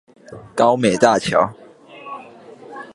高美大橋